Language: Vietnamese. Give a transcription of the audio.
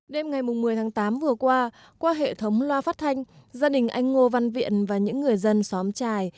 đêm ngày một mươi tháng tám vừa qua qua hệ thống loa phát thanh gia đình anh ngô văn viện và những người dân xóm trài